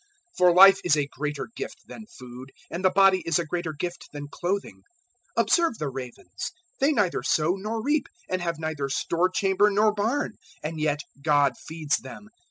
012:023 For life is a greater gift than food, and the body is a greater gift than clothing. 012:024 Observe the ravens. They neither sow nor reap, and have neither store chamber nor barn. And yet God feeds them.